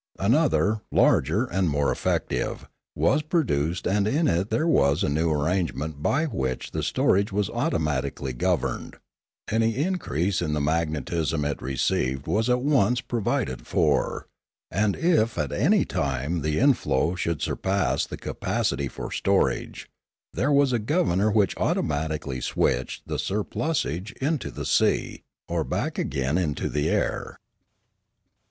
Another, larger and more effective, was produced and in it there was a new arrangement by which the storage was automatically governed; any increase in the magnetism it received was at once provided for; and if at any time the inflow should surpass the capacity for storage, there was a governor which automatically switched the surplusage into the sea, or back again into the air.